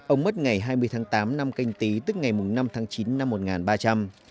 ông mất ngày hai mươi tháng tám năm canh tí tức ngày năm tháng chín năm một nghìn ba trăm linh